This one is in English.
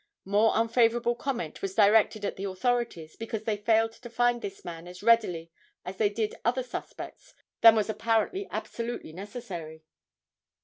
More unfavorable comment was directed at the authorities because they failed to find this man as readily as they did other suspects than was apparently absolutely necessary.